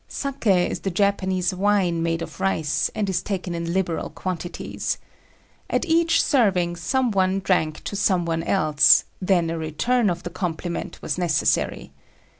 Saki is the Japanese wine made of rice, and is taken in liberal quantities. At each serving some one drank to some one else, then a return of the compliment was necessary.